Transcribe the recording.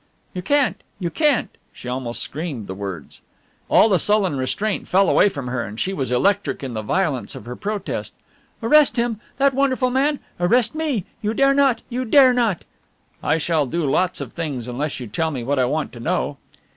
"You can't, you can't." She almost screamed the words. All the sullen restraint fell away from her and she was electric in the violence of her protest. "Arrest him! That wonderful man! Arrest me? You dare not! You dare not!" "I shall dare do lots of things unless you tell me what I want to know."